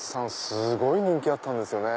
すごい人気あったんですよね。